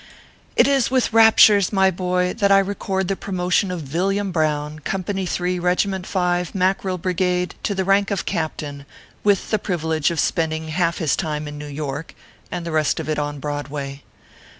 It is with raptures, my boy, that I record the pro motion of Villiam Brown, Company 3, Kegiment 5, Mackerel Brigade, to the rank of Captain, with the privilege of spending half his time in New York, and the rest of it on Broadway.